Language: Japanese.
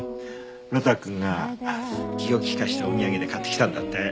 呂太くんが気を利かせてお土産で買ってきたんだって。